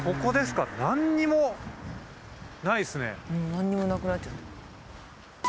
何にもなくなっちゃった。